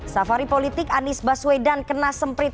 safari politik anies baswedan kena semprit